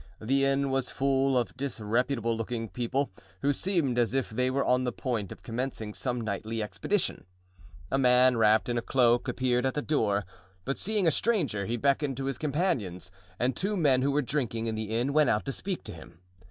The inn was full of disreputable looking people, who seemed as if they were on the point of commencing some nightly expedition. A man, wrapped in a cloak, appeared at the door, but seeing a stranger he beckoned to his companions, and two men who were drinking in the inn went out to speak to him.